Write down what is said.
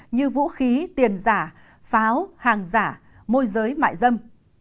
như vũ khí tiền giả pháo hàng giả môi giới mại dâm